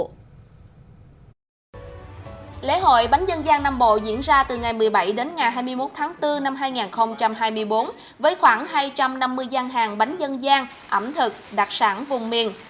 lễ hội bánh dân gian nam bộ diễn ra từ ngày một mươi bảy đến ngày hai mươi một tháng bốn năm hai nghìn hai mươi bốn với khoảng hai trăm năm mươi gian hàng bánh dân gian ẩm thực đặc sản vùng miền